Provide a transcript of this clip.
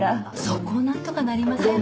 そこを何とかなりません？